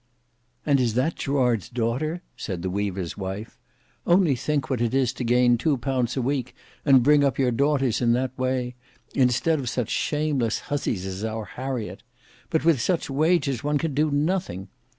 "And is that Gerard's daughter?" said the weaver's wife. "Only think what it is to gain two pounds a week, and bring up your daughters in that way—instead of such shameless husseys as our Harriet! But with such wages one can do anything.